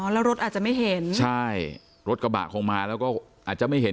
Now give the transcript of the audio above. แล้วรถอาจจะไม่เห็นใช่รถกระบะคงมาแล้วก็อาจจะไม่เห็น